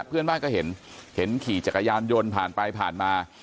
เพื่อนบ้านก็เห็นเห็นขี่จักรยานยนต์ผ่านไปผ่านมา